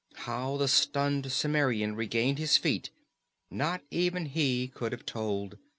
How the stunned Cimmerian regained his feet, not even he could have ever told.